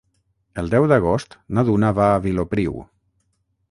El deu d'agost na Duna va a Vilopriu.